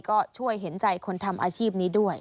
ก็ช่วยเห็นใจคนทำอาชีพนี้ด้วย